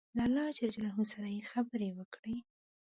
له الله جل جلاله سره یې خبرې وکړې.